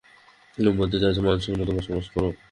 তুমি বলতে চাইছ মানুষের মতো বসবাস করা?